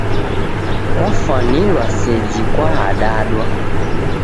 Kwafwanilwa seji kwaadadwa.